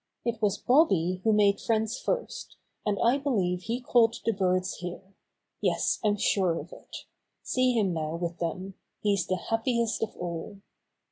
"It was Bobby who made friends first, and I believe he called the birds here. Yes, I'm sure of it. See him now with them. He's the happiest of all."